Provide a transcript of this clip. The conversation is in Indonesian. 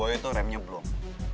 motornya boy itu remnya blong